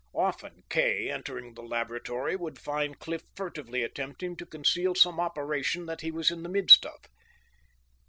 Often Kay, entering the laboratory, would find Cliff furtively attempting to conceal some operation that he was in the midst of.